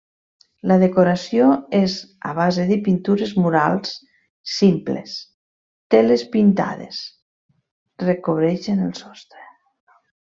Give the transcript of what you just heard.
La decoració és a base de pintures murals simples, teles pintades recobreixen el sostre.